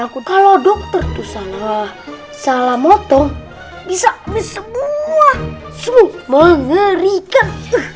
kater tuh salah salah motong bisa ambil semua semut mengerikan